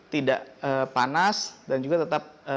tidak panas dan juga tetap